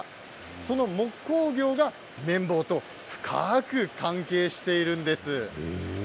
その木工業が綿棒と深く関係しているんです。